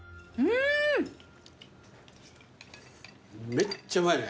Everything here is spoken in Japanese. めっちゃうまいね。